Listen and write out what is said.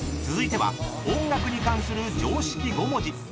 ［続いては音楽に関する常識５文字］